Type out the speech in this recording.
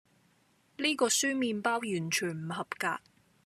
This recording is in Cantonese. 呢個酸麵包完全唔合格